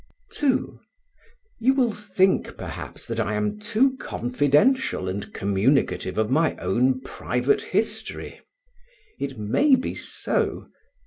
2. You will think perhaps that I am too confidential and communicative of my own private history. It may be so.